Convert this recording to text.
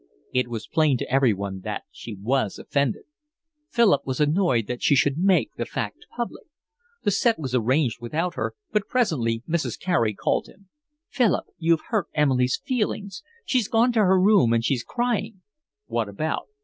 It was plain to everyone that she was offended. Philip was annoyed that she should make the fact public. The set was arranged without her, but presently Mrs. Carey called him. "Philip, you've hurt Emily's feelings. She's gone to her room and she's crying." "What about?"